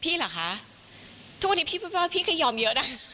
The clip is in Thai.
พี่เหรอคะทุกวันนี้พี่ค่อยยอมเยอะนะ